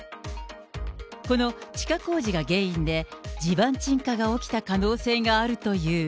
この地下工事が原因で、地盤沈下が起きた可能性があるという。